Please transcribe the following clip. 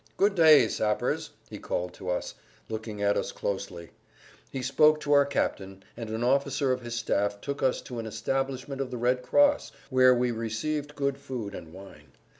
"Good day, sappers!" he called to us, looking at us closely. He spoke to our captain, and an officer of his staff took us to an establishment of the Red Cross where we received good food and wine.